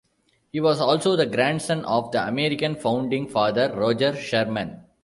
He was also the grandson of the American founding father Roger Sherman.